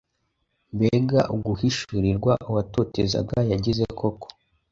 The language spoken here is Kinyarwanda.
Mbega uguhishurirwa uwatotezaga yagize koko!